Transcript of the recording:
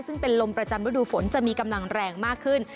ซึ่งเป็นลมประจำฤดูฝนจะมีกำลังแรงมากขึ้น